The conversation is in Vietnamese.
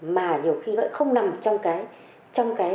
mà nhiều khi nó lại không nằm trong cái